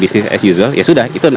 bisnis as usual ya sudah itu